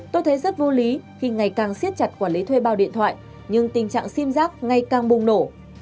tôi thấy rất vô lý khi ngày càng siết chặt quản lý thuê bao điện thoại nhưng tình trạng sim giác ngay càng bùng nổ